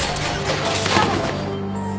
あっ！